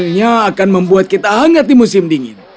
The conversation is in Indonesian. ini akan membuat kita hangat di musim dingin